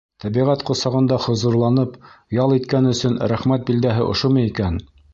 Тәбиғәт ҡосағында хозурланып ял иткән өсөн рәхмәт билдәһе ошомо икән?